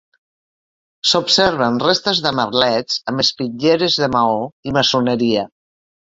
S'observen restes de merlets amb espitlleres de maó i maçoneria.